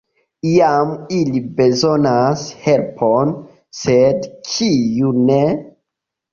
Iam ili bezonas helpon, sed kiu ne?